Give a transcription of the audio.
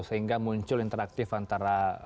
sehingga muncul interaktif antara